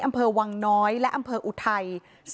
อำเภอวังน้อยและอำเภออุทัย